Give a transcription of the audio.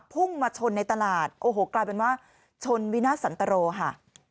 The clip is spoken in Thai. พุ่งมาชนในตลาดโอ้โหกลายเป็นว่าชนวินาทสันตรโรค่ะ